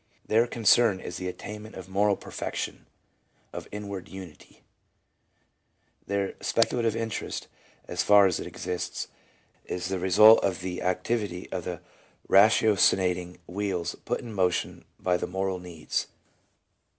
Their concern is the attainment of moral perfection, of inward unity; their speculative interest — as far as it exists — is the result of the activity of the ratiocinating wheels put in motion by the moral needs.